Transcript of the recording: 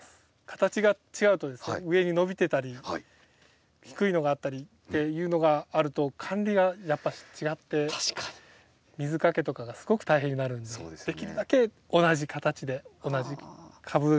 形が違うとですね上に伸びてたり低いのがあったりっていうのがあると管理がやっぱし違って水かけとかがすごく大変になるんでできるだけ同じ形で同じ株立ちでつくりたいっていう。